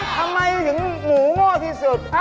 ทำไมถึงหมูโง่ที่สุด